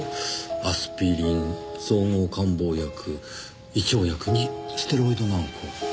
アスピリン総合感冒薬胃腸薬にステロイド軟膏。